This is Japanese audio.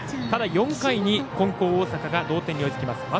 ただ、４回に金光大阪が同点に追いつきます。